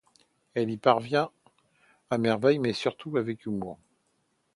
Il y parvient à merveille mais, surtout, avec humour.